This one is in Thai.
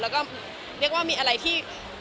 แล้วก็เรียกว่ามีอะไรที่